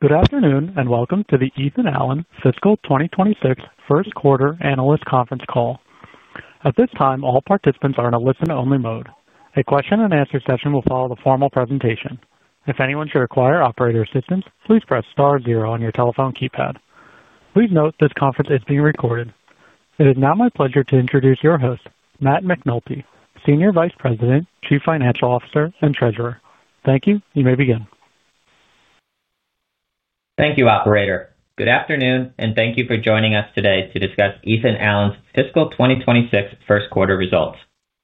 Good afternoon and welcome to the Ethan Allen fiscal 2026 first quarter earnings conference call. At this time, all participants are in a listen-only mode. A question-and-answer session will follow the formal presentation. If anyone should require operator assistance, please press star zero on your telephone keypad. Please note this conference is being recorded. It is now my pleasure to introduce your host, Matt McNulty, Senior Vice President, Chief Financial Officer, and Treasurer. Thank you. You may begin. Thank you, operator. Good afternoon, and thank you for joining us today to discuss Ethan Allen's fiscal 2026 first quarter results.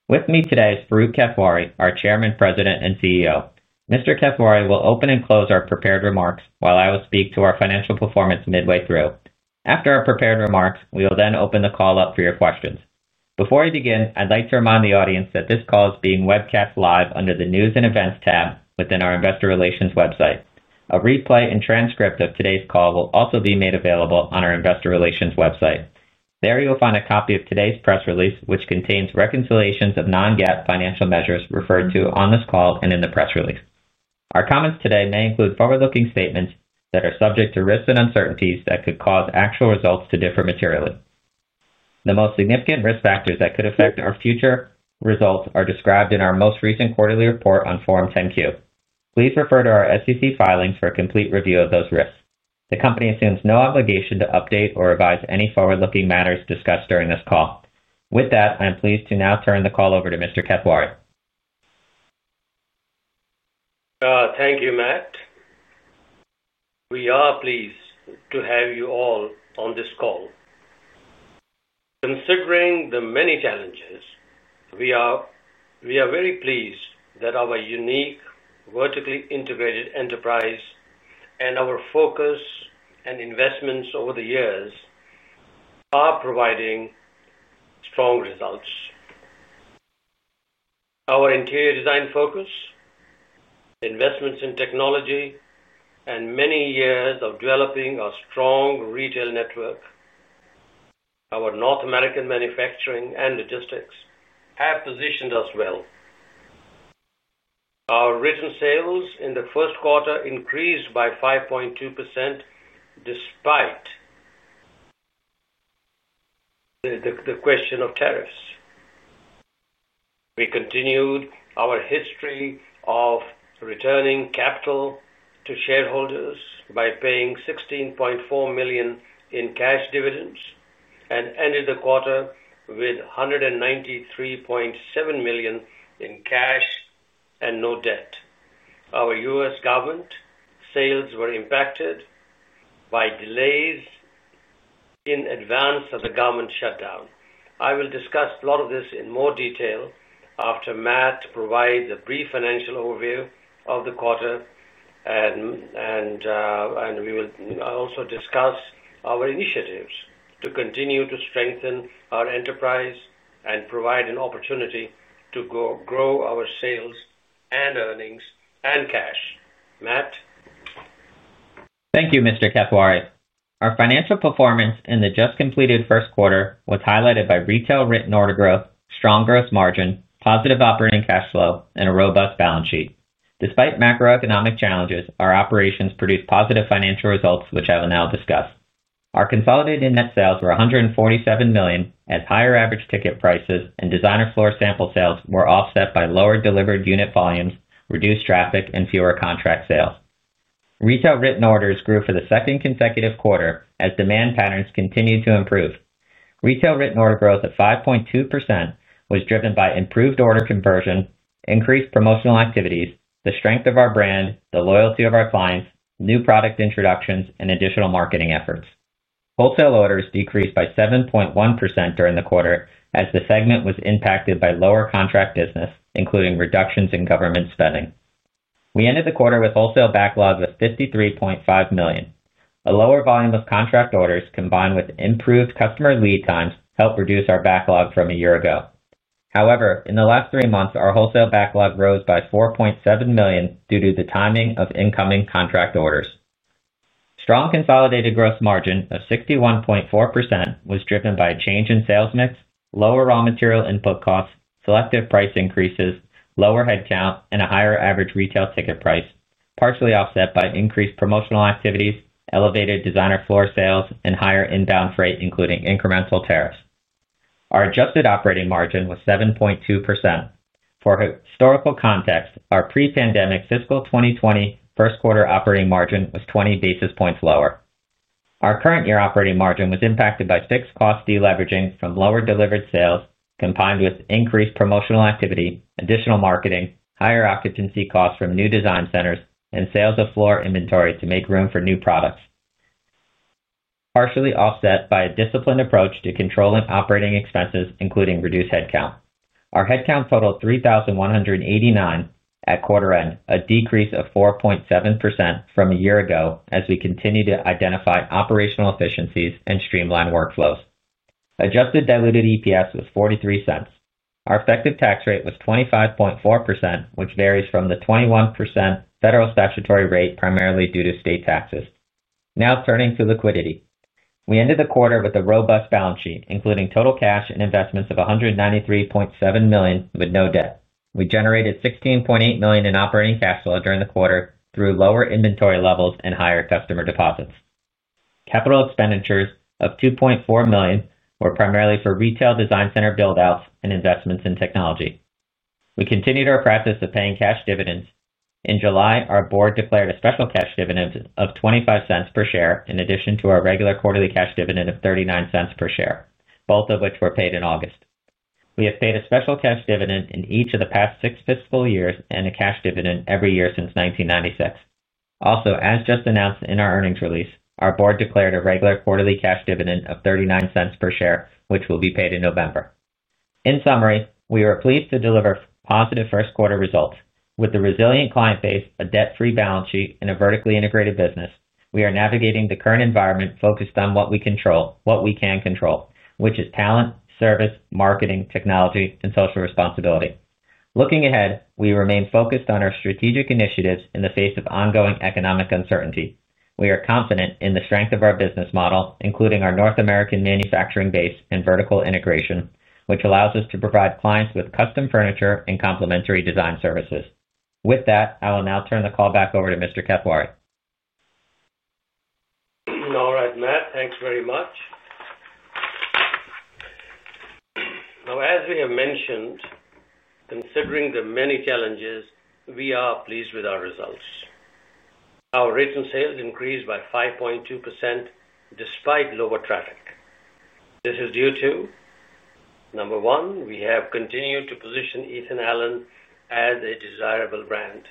With me today is Farooq Kathwari, our Chairman, President, and CEO. Mr. Kathwari will open and close our prepared remarks while I will speak to our financial performance midway through. After our prepared remarks, we will then open the call up for your questions. Before we begin, I'd like to remind the audience that this call is being webcast live under the News and Events tab within our Investor Relations website. A replay and transcript of today's call will also be made available on our Investor Relations website. There you will find a copy of today's press release, which contains reconciliations of non-GAAP financial measures referred to on this call and in the press release. Our comments today may include forward-looking statements that are subject to risks and uncertainties that could cause actual results to differ materially. The most significant risk factors that could affect our future results are described in our most recent quarterly report on Form 10-Q. Please refer to our SEC filings for a complete review of those risks. The company assumes no obligation to update or revise any forward-looking matters discussed during this call. With that, I am pleased to now turn the call over to Mr. Kathwari. Thank you, Matt. We are pleased to have you all on this call. Considering the many challenges, we are very pleased that our unique vertically integrated enterprise and our focus and investments over the years are providing strong results. Our interior design focus, investments in technology, and many years of developing a strong retail network, our North American manufacturing and logistics have positioned us well. Our written sales in the first quarter increased by 5.2% despite the question of tariffs. We continued our history of returning capital to shareholders by paying $16.4 million in cash dividends and ended the quarter with $193.7 million in cash and no debt. Our U.S. government sales were impacted by delays in advance of the government shutdown. I will discuss a lot of this in more detail after Matt provides a brief financial overview of the quarter, and we will also discuss our initiatives to continue to strengthen our enterprise and provide an opportunity to grow our sales and earnings and cash. Matt? Thank you, Mr. Kathwari. Our financial performance in the just completed first quarter was highlighted by retail written order growth, strong gross margin, positive operating cash flow, and a robust balance sheet. Despite macroeconomic challenges, our operations produced positive financial results, which I will now discuss. Our consolidated net sales were $147 million at higher average ticket prices, and designer floor sample sales were offset by lower delivered unit volumes, reduced traffic, and fewer contract sales. Retail written orders grew for the second consecutive quarter as demand patterns continued to improve. Retail written order growth at 5.2% was driven by improved order conversion, increased promotional activities, the strength of our brand, the loyalty of our clients, new product introductions, and additional marketing efforts. Wholesale orders decreased by 7.1% during the quarter as the segment was impacted by lower contract business, including reductions in government spending. We ended the quarter with wholesale backlogs of $53.5 million. A lower volume of contract orders combined with improved customer lead times helped reduce our backlog from a year ago. However, in the last three months, our wholesale backlog rose by $4.7 million due to the timing of incoming contract orders. Strong consolidated gross margin of 61.4% was driven by a change in sales mix, lower raw material input costs, selective price increases, lower headcount, and a higher average retail ticket price, partially offset by increased promotional activities, elevated designer floor sales, and higher inbound freight, including incremental tariffs. Our adjusted operating margin was 7.2%. For historical context, our pre-pandemic fiscal 2020 first quarter operating margin was 20 basis points lower. Our current year operating margin was mpacted by fixed cost deleveraging from lower delivered sales combined with increased promotional activity, additional marketing, higher occupancy costs from new design centers, and sales of floor inventory to make room for new products, partially offset by a disciplined approach to controlling operating expenses, including reduced headcount. Our headcount totaled 3,189 at quarter end, a decrease of 4.7% from a year ago as we continue to identify operational efficiencies and streamline workflows. Adjusted diluted EPS was $0.43. Our effective tax rate was 25.4%, which varies from the 21% federal statutory rate primarily due to state taxes. Now turning to liquidity, we ended the quarter with a robust balance sheet, including total cash and investments of $193.7 million with no debt. We generated $16.8 million in operating cash flow during the quarter through lower inventory levels and higher customer deposits. Capital expenditures of $2.4 million were primarily for retail design center build-outs and investments in technology. We continued our practice of paying cash dividends. In July, our Board declared a special cash dividend of $0.25 per share in addition to our regular quarterly cash dividend of $0.39 per share, both of which were paid in August. We have paid a special cash dividend in each of the past six fiscal years and a cash dividend every year since 1996. Also, as just announced in our earnings release, our Board declared a regular quarterly cash dividend of $0.39 per share, which will be paid in November. In summary, we are pleased to deliver positive first quarter results with a resilient client base, a debt-free balance sheet, and a vertically integrated business. We are navigating the current environment focused on what we control, which is talent, service, marketing, technology, and social responsibility. Looking ahead, we remain focused on our strategic initiatives in the face of ongoing economic uncertainty. We are confident in the strength of our business model, including our North American manufacturing base and vertical integration, which allows us to provide clients with custom furniture and complementary design services. With that, I will now turn the call back over to Mr. Kathwari. All right, Matt, thanks very much. Now, as we have mentioned, considering the many challenges, we are pleased with our results. Our written sales increased by 5.2% despite lower traffic. This is due to, number one, we have continued to position Ethan Allen as a desirable brand.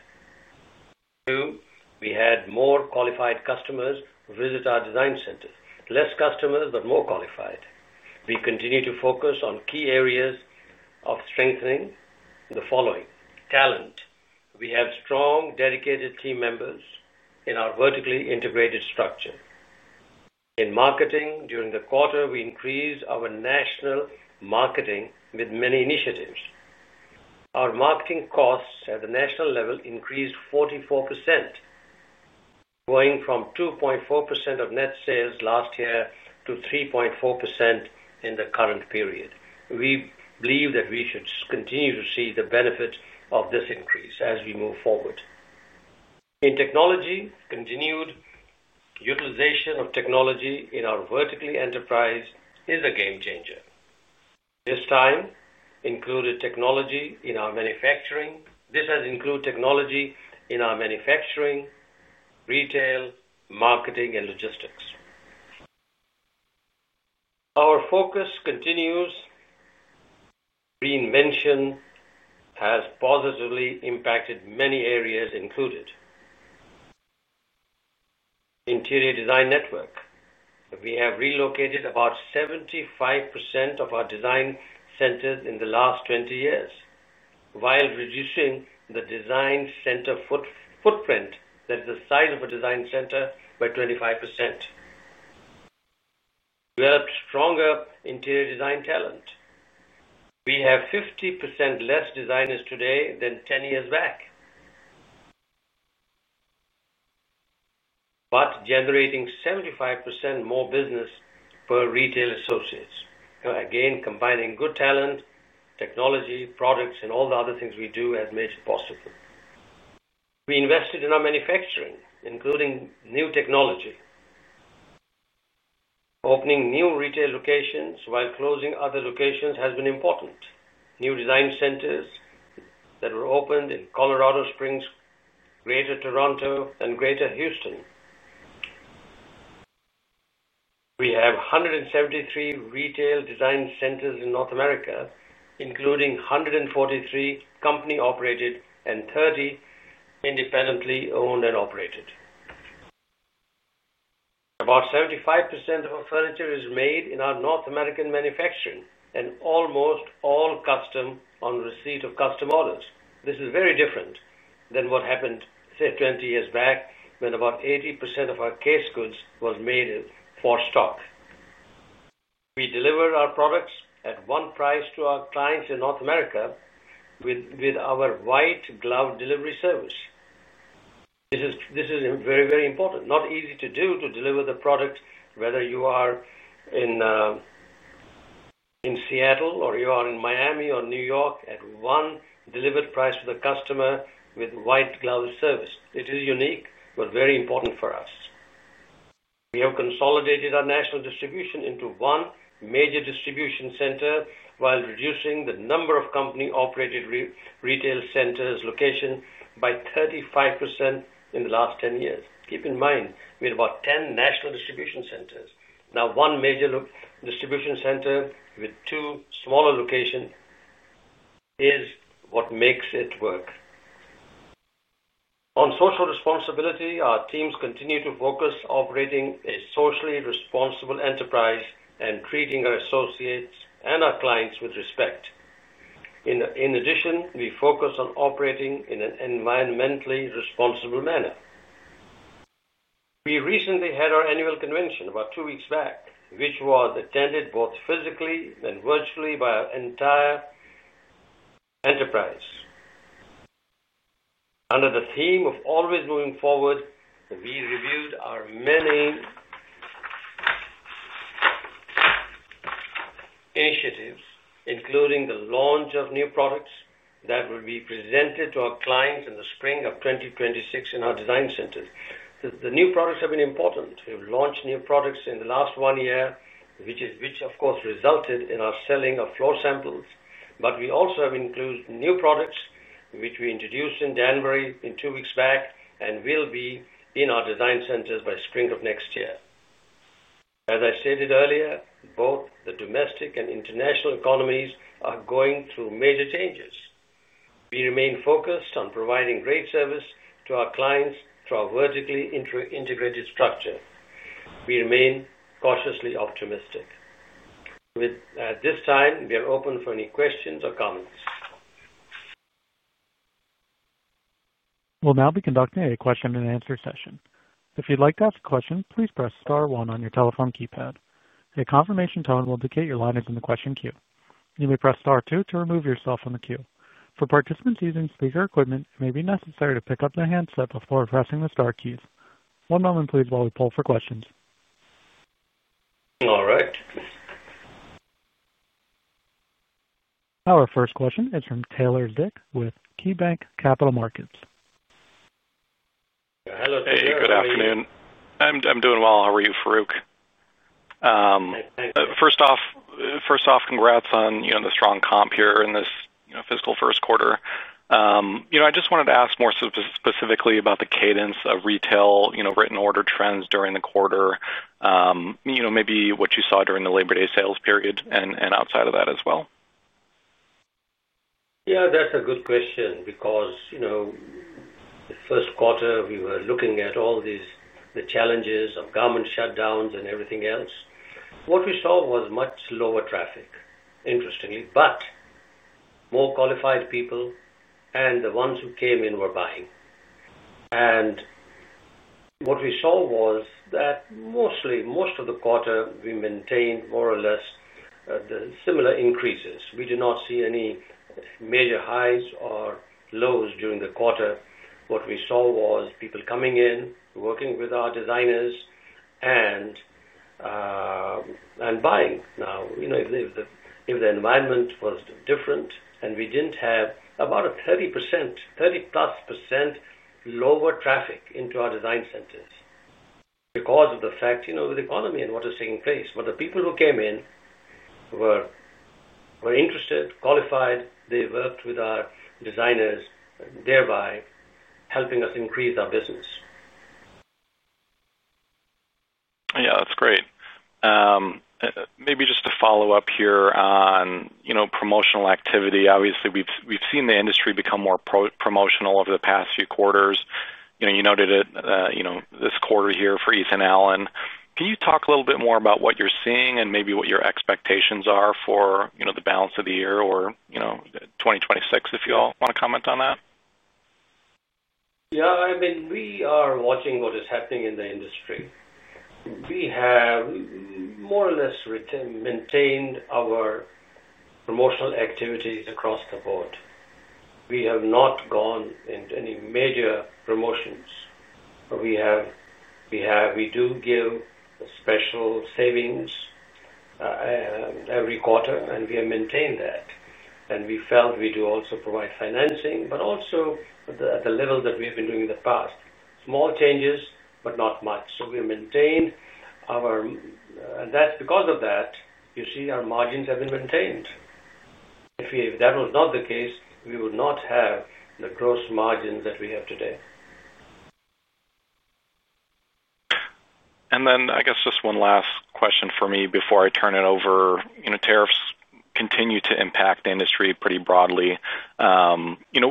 Two, we had more qualified customers visit our design centers. Less customers, but more qualified. We continue to focus on key areas of strengthening the following: talent. We have strong, dedicated team members in our vertically integrated structure. In marketing, during the quarter, we increased our national marketing with many initiatives. Our marketing costs at the national level increased 44%, going from 2.4% of net sales last year to 3.4% in the current period. We believe that we should continue to see the benefits of this increase as we move forward. In technology, continued utilization of technology in our vertically enterprise is a game changer. This time included technology in our manufacturing. This has included technology in our manufacturing, retail, marketing, and logistics. Our focus continues. Reinvention has positively impacted many areas included. Interior design network, we have relocated about 75% of our design centers in the last 20 years while reducing the design center footprint. That is the size of a design center by 25%. We developed stronger interior design talent. We have 50% less designers today than 10 years back, but generating 75% more business per retail associates. Again, combining good talent, technology, products, and all the other things we do has made it possible. We invested in our manufacturing, including new technology. Opening new retail locations while closing other locations has been important. New design centers that were opened in Colorado Springs, Greater Toronto, and Greater Houston. We have 173 retail design centers in North America, including 143 company-operated and 30 independently owned and operated. About 75% of our furniture is made in our North American manufacturing and almost all custom on receipt of custom orders. This is very different than what happened, say, 20 years back when about 80% of our case goods were made for stock. We deliver our products at one price to our clients in North America with our white glove delivery service. This is very, very important. Not easy to do to deliver the products whether you are in Seattle or you are in Miami or New York at one delivered price to the customer with white glove service. It is unique, but very important for us. We have consolidated our national distribution into one major distribution center while reducing the number of company-operated retail centers locations by 35% in the last 10 years. Keep in mind, we had about 10 national distribution centers. Now, one major distribution center with two smaller locations is what makes it work. On social responsibility, our teams continue to focus on operating a socially responsible enterprise and treating our associates and our clients with respect. In addition, we focus on operating in an environmentally responsible manner. We recently had our annual convention about two weeks back, which was attended both physically and virtually by our entire enterprise. Under the theme of always moving forward, we reviewed our many initiatives, including the launch of new products that will be presented to our clients in the spring of 2026 in our design centers. The new products have been important. We have launched new products in the last one year, which, of course, resulted in our selling of floor samples. We also have included new products, which we introduced in Danbury two weeks back and will be in our design centers by spring of next year. As I stated earlier, both the domestic and international economies are going through major changes. We remain focused on providing great service to our clients through our vertically integrated structure. We remain cautiously optimistic. At this time, we are open for any questions or comments. We'll now be conducting a question-and-answer session. If you'd like to ask a question, please press star one on your telephone keypad. A confirmation tone will indicate your line is in the question queue. You may press star two to remove yourself from the queue. For participants using speaker equipment, it may be necessary to pick up the handset before pressing the star keys. One moment, please, while we pull for questions. All right. Our first question is from Taylor Zick with KeyBanc Capital Markets. Hello, Taylor. I'm doing well. How are you, Farooq? First off, congrats on the strong comp here in this fiscal first quarter. I just wanted to ask more specifically about the cadence of retail written order trends during the quarter, maybe what you saw during the Labor Day sales period and outside of that as well. Yeah, that's a good question because, you know, the first quarter we were looking at all these challenges of government shutdowns and everything else. What we saw was much lower traffic, interestingly, but more qualified people and the ones who came in were buying. What we saw was that most of the quarter we maintained more or less the similar increases. We did not see any major highs or lows during the quarter. What we saw was people coming in, working with our designers, and buying. Now, you know, if the environment was different and we didn't have about a 30%, 30%+ lower traffic into our design centers because of the fact, you know, with the economy and what is taking place. The people who came in were interested, qualified. They worked with our designers, thereby helping us increase our business. Yeah, that's great. Maybe just to follow up here on promotional activity. Obviously, we've seen the industry become more promotional over the past few quarters. You noted it this quarter here for Ethan Allen. Can you talk a little bit more about what you're seeing and maybe what your expectations are for the balance of the year or 2026 if you all want to comment on that? Yeah, I mean, we are watching what is happening in the industry. We have, more or less, maintained our promotional activities across the board. We have not gone into any major promotions. We do give a special savings every quarter, and we have maintained that. We do also provide financing, but also at the level that we have been doing in the past. Small changes, but not much. We have maintained our, and that's because of that, you see, our margins have been maintained. If that was not the case, we would not have the gross margins that we have today. I guess just one last question for me before I turn it over. Tariffs continue to impact the industry pretty broadly. What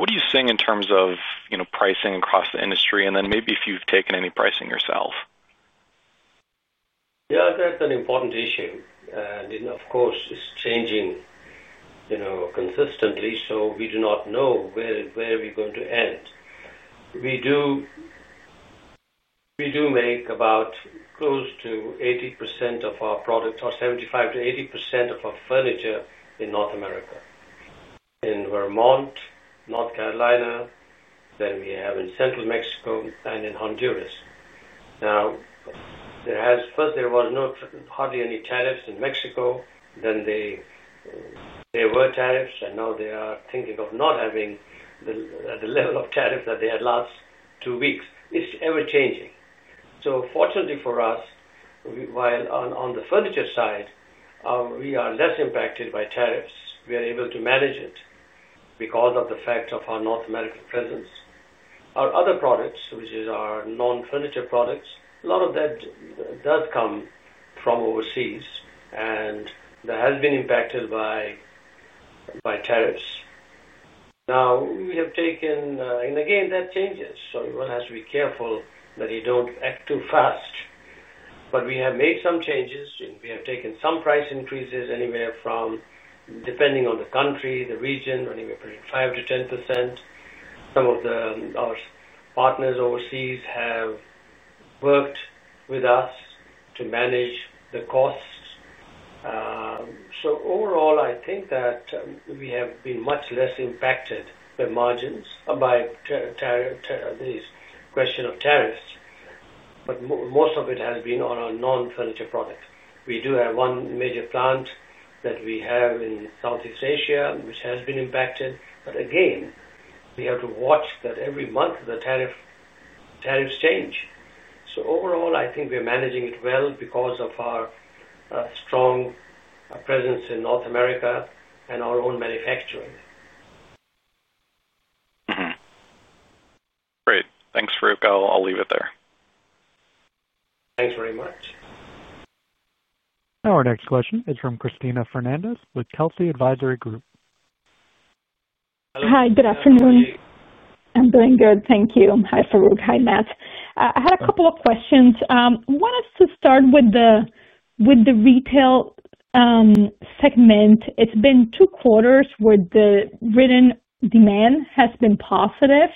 are you seeing in terms of pricing across the industry? Maybe if you've taken any pricing yourself. Yeah, that's an important issue. Of course, it's changing consistently, so we do not know where we're going to end. We do make about close to 80% of our product, or 75%-80% of our furniture in North America, in Vermont, North Carolina, then we have in Central Mexico, and in Honduras. There has, first, there was hardly any tariffs in Mexico. There were tariffs, and now they are thinking of not having the level of tariffs that they had last two weeks. It's ever-changing. Fortunately for us, while on the furniture side, we are less impacted by tariffs, we are able to manage it because of the fact of our North American presence. Our other products, which are non-furniture products, a lot of that does come from overseas and has been impacted by tariffs. We have taken, and again, that changes. One has to be careful that you don't act too fast. We have made some changes, and we have taken some price increases anywhere from, depending on the country, the region, anywhere between 5%-10%. Some of our partners overseas have worked with us to manage the costs. Overall, I think that we have been much less impacted by margins, by the question of tariffs. Most of it has been on our non-furniture products. We do have one major plant that we have in Southeast Asia, which has been impacted. Again, we have to watch that every month the tariffs change. Overall, I think we're managing it well because of our strong presence in North America and our own manufacturing. Great. Thanks, Farooq. I'll leave it there. Thanks very much. Our next question is from Cristina Fernández with Telsey Advisory Group. Hi. I'm doing good. Thank you. Hi, Farooq. Hi, Matt. I had a couple of questions. I want to start with the retail segment. It's been two quarters where the written demand has been positive,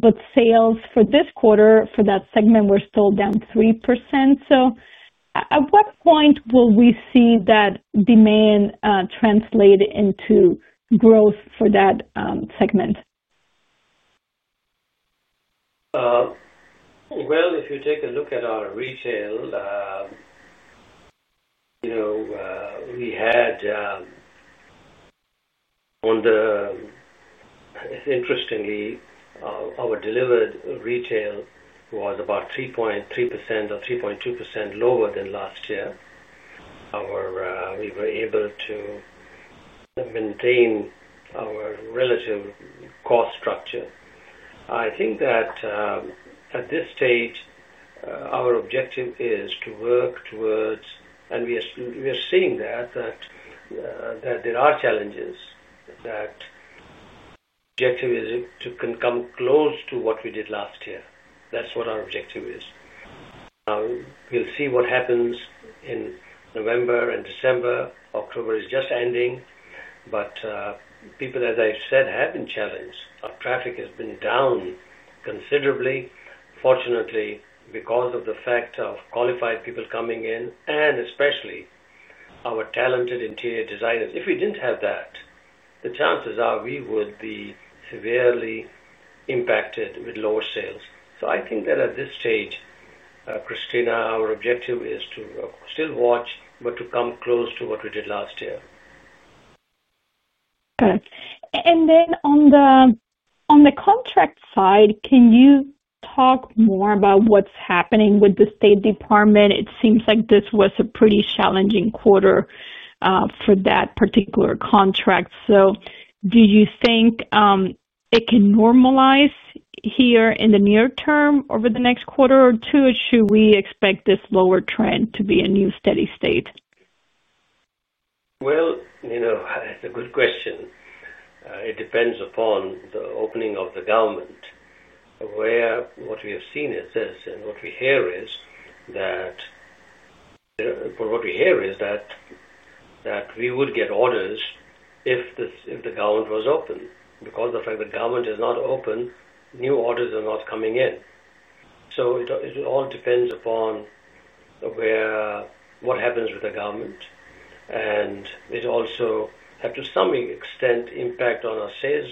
but sales for this quarter for that segment were still down 3%. At what point will we see that demand translate into growth for that segment? If you take a look at our retail, you know, we had, interestingly, our delivered retail was about 3.3% or 3.2% lower than last year. We were able to maintain our relative cost structure. I think that at this stage, our objective is to work towards, and we are seeing that, that there are challenges, that the objective is to come close to what we did last year. That's what our objective is. We'll see what happens in November and December. October is just ending. People, as I said, have been challenged. Our traffic has been down considerably, fortunately, because of the fact of qualified people coming in and especially our talented interior designers. If we didn't have that, the chances are we would be severely impacted with lower sales. I think that at this stage, Cristina, our objective is to still watch, but to come close to what we did last year. Okay. On the contract side, can you talk more about what's happening with the State Department? It seems like this was a pretty challenging quarter for that particular contract. Do you think it can normalize here in the near-term over the next quarter or two, or should we expect this lower trend to be a new steady state? It's a good question. It depends upon the opening of the government. What we have seen is this, and what we hear is that we would get orders if the government was open. Because of the fact that the government is not open, new orders are not coming in. It all depends upon what happens with the government. It also has, to some extent, impact on our sales,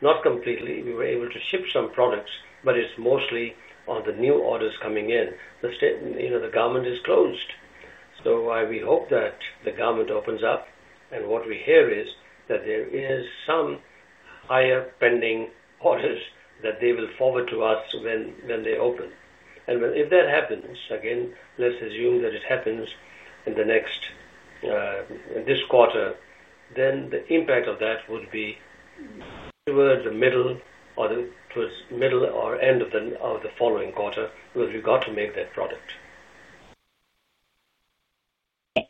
not completely. We were able to ship some products, but it's mostly on the new orders coming in. The government is closed. We hope that the government opens up. What we hear is that there are some higher pending orders that they will forward to us when they open. If that happens, let's assume that it happens in this quarter, then the impact of that would be towards the middle or the end of the following quarter because we got to make that product.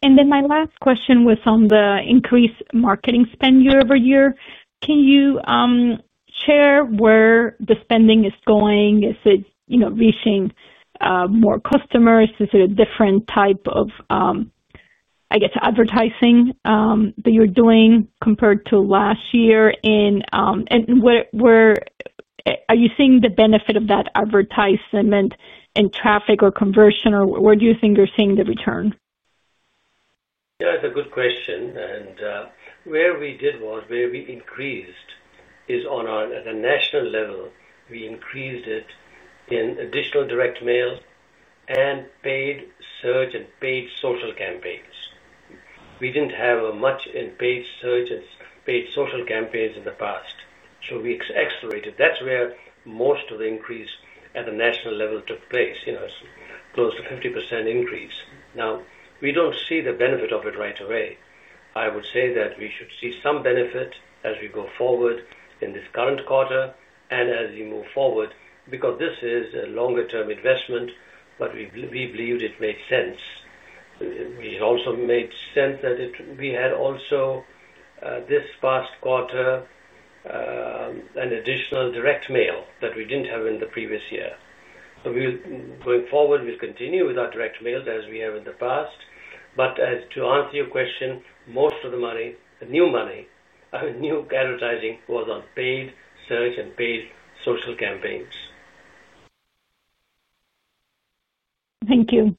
My last question was on the increased marketing spend year-over-year. Can you share where the spending is going? Is it, you know, reaching more customers? Is it a different type of, I guess, advertising that you're doing compared to last year? Where are you seeing the benefit of that advertisement in traffic or conversion, or where do you think you're seeing the return? Yeah, it's a good question. Where we increased is on our, at a national level, we increased it in additional direct mail and paid search and paid social campaigns. We didn't have much in paid search and paid social campaigns in the past. We accelerated. That's where most of the increase at the national level took place, you know, close to a 50% increase. Now, we don't see the benefit of it right away. I would say that we should see some benefit as we go forward in this current quarter and as we move forward because this is a longer-term investment, but we believed it made sense. It also made sense that we had also, this past quarter, an additional direct mail that we didn't have in the previous year. Going forward, we'll continue with our direct mail as we have in the past. As to answer your question, most of the money, the new money, our new advertising was on paid search and paid social campaigns. Thank you.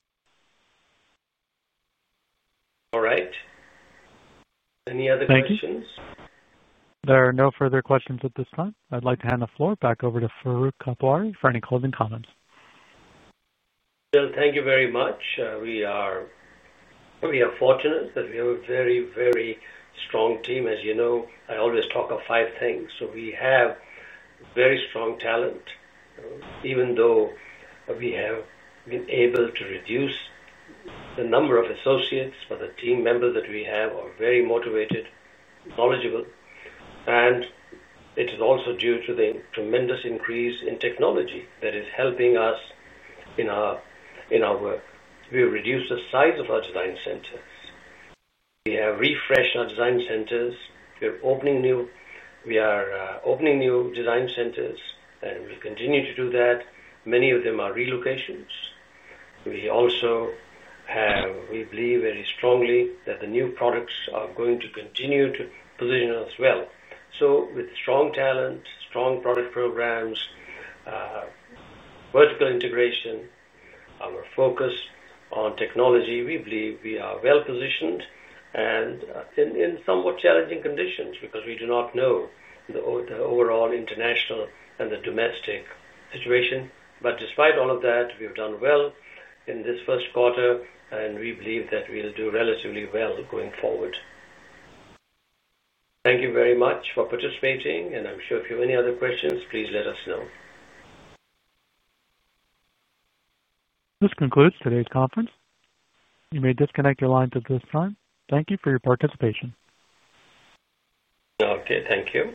All right. Any other questions? There are no further questions at this time. I'd like to hand the floor back over to Farooq Kathwari for any closing comments. Thank you very much. We are fortunate that we have a very, very strong team. As you know, I always talk of five things. We have very strong talent, even though we have been able to reduce the number of associates, but the team members that we have are very motivated and knowledgeable. It is also due to the tremendous increase in technology that is helping us in our work. We've reduced the size of our design centers. We have refreshed our design centers. We are opening new design centers, and we'll continue to do that. Many of them are relocations. We also have, we believe very strongly that the new products are going to continue to position us well. With strong talent, strong product programs, vertical integration, and our focus on technology, we believe we are well-positioned in somewhat challenging conditions because we do not know the overall international and the domestic situation. Despite all of that, we've done well in this first quarter, and we believe that we'll do relatively well going forward. Thank you very much for participating, and I'm sure if you have any other questions, please let us know. This concludes today's conference. You may disconnect your lines at this time. Thank you for your participation. Okay, thank you.